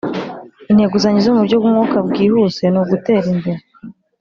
Intego zanjye zo mu buryo bwihuse ntugutera imbere